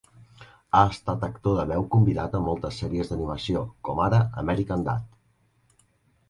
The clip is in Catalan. Ha estat actor de veu convidat en moltes sèries d'animació, com ara American Dad!